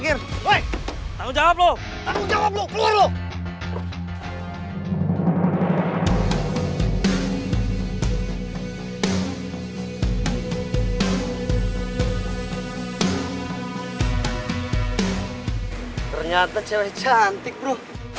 ternyata cewek cantik bro